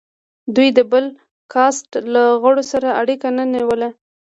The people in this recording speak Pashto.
دوی د بل کاسټ له غړو سره اړیکه نه نیوله.